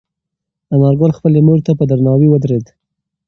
انارګل خپلې مور ته په درناوي ودرېد.